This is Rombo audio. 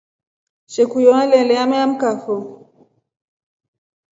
Shokuya nalele ameamkafo.